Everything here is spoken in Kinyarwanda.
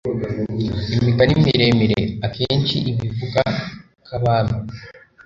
Imigani miremimire akenshi iba ivuga k' abami